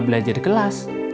gak ada yang jadi kelas